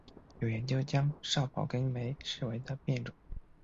有研究将少孢根霉视为的变种。